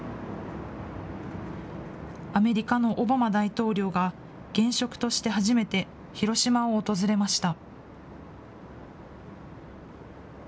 アメリカのオバマ大統領が、現職として初めて、広島を訪れました。